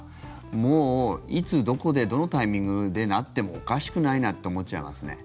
もういつ、どこでどのタイミングでなってもおかしくないなって思っちゃいますね。